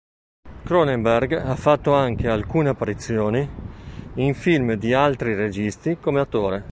Cronenberg ha fatto anche alcune apparizioni in film di altri registi come attore.